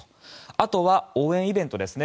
あとは、応援イベントですね。